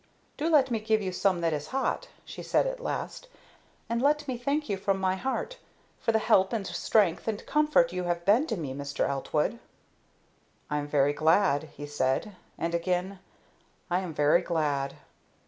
"Do let me give you some that is hot," she said at last, "and let me thank you from my heart for the help and strength and comfort you have been to me, Mr. Eltwood." "I'm very glad," he said; and again, "I am very glad."